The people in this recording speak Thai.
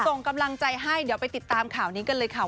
ส่งกำลังใจให้เดี๋ยวไปติดตามข่าวนี้กันเลยค่ะ